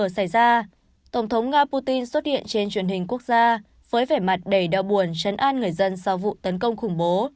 sau vụ xảy ra tổng thống nga putin xuất hiện trên truyền hình quốc gia với vẻ mặt đầy đau buồn chấn an người dân sau vụ tấn công khủng bố